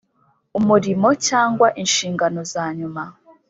umurimo cyangwa inshingano za nyuma